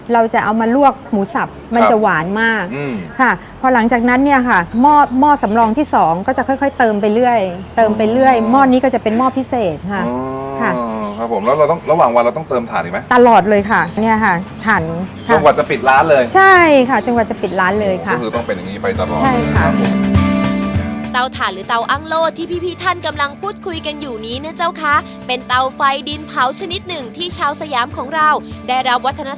เราจะเอามาลวกหมูสับมันจะหวานมากอืมค่ะพอหลังจากนั้นเนี่ยค่ะหม้อหม้อสำรองที่สองก็จะค่อยค่อยเติมไปเรื่อยเติมไปเรื่อยหม้อนี้ก็จะเป็นหม้อพิเศษค่ะอ๋อค่ะครับผมแล้วเราต้องระหว่างวันเราต้องเติมถ่านอีกไหมตลอดเลยค่ะเนี่ยค่ะถ่านจนกว่าจะปิดร้านเลยใช่ค่ะจนกว่าจะปิดร้านเลยค่ะก็คือต้องเป็นอย่างงี้ไปตล